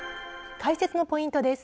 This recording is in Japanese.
解説のポイントです。